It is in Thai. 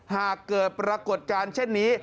หากเกิดปรากฏการณ์เช่นนี้